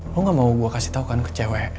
lo gak mau gue kasih tau kan ke cewek